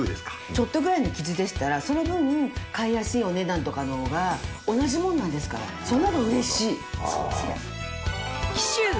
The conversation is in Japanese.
ちょっとぐらいの傷でしたらその分買いやすいお値段とかの方が同じものなんですからその方が嬉しい。